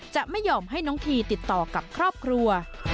จะไม่ยอมให้น้องทีติดต่อกับครอบครัว